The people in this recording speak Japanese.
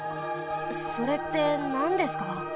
それってなんですか？